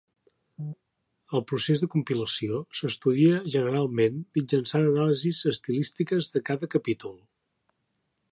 El procés de compilació s'estudia generalment mitjançant anàlisis estilístiques de cada capítol.